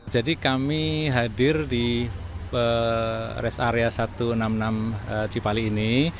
jadi kami hadir di res area satu ratus enam puluh enam cipali ini